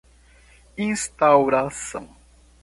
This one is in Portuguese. instauração